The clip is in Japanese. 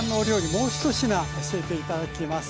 もう１品教えて頂きます。